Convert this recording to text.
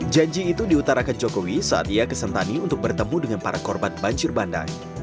janji itu diutarakan jokowi saat ia ke sentani untuk bertemu dengan para korban banjir bandang